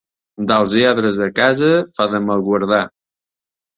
Dels lladres de casa fa de mal guardar.